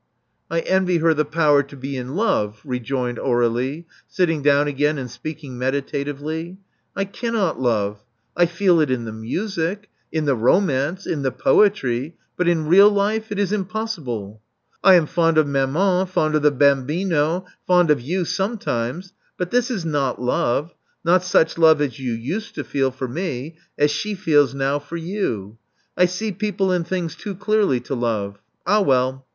'*! envy her the power to be in love," rejoined Aur^lie, sitting down again, and speaking meditatively. *'I cannot love. I can feel it in the music — in the romance — in the poetry; but in real life — it is impossible. I am fond of maman^ fond of the bant bino^ fond of you sometimes ; but this is not love — not such love as you used to feel for me — as she feels now for you. I see people and things too clearly to love. Ah well